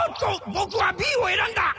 ボクはＢを選んだ！